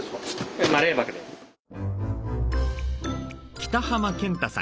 北濱健太さん。